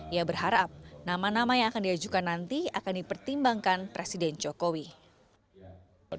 ia berharap nama nama yang akan diajukan nanti akan dipertimbangkan presiden jokowi